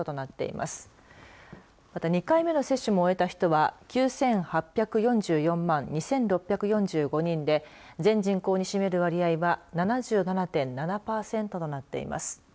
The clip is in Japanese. また、２回目の接種も終えた人は９８４４万２６４５人で全人口に占める割合は７７．７パーセントとなっています。